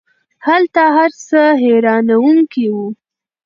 هلته هر څه حیرانوونکی وو.